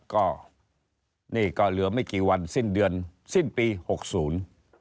ก็นี่ก็เหลือไม่กี่วันสิ้นเดือนสิ้นปีหกศูนย์